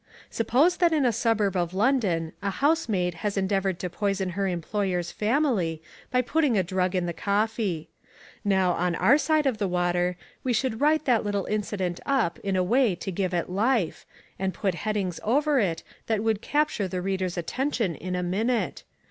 Suppose that in a suburb of London a housemaid has endeavoured to poison her employer's family by putting a drug in the coffee. Now on our side of the water we should write that little incident up in a way to give it life, and put headings over it that would capture the reader's attention in a minute.